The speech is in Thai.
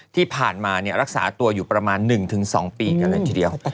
ที่ผ่านมารักษาตัวอยู่ประมาณ๑๒ปีกันเลยทีเดียว